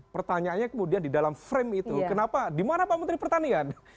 pertanyaannya kemudian di dalam frame itu kenapa di mana pak menteri pertanian